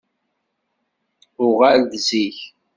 Uɣal-d zik!